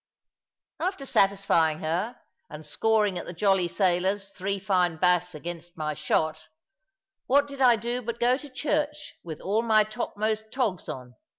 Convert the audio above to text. After satisfying her, and scoring at the "Jolly Sailors" three fine bass against my shot, what did I do but go to church with all my topmost togs on?